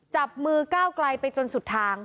จับมือก้าวไกลไปจนสุดทาง